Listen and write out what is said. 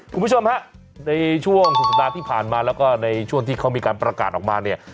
คุณผู้ชมฮะในช่วงสุดสัปดาห์ที่ผ่านมาแล้วก็ในช่วงที่เขามีการประกาศออกมาเนี่ย